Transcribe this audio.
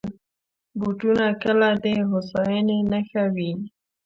بوټونه کله د هوساینې نښه وي.